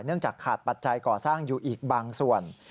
จากขาดปัจจัยก่อสร้างอยู่อีกบางส่วน